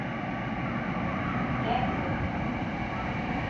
Үтә ул...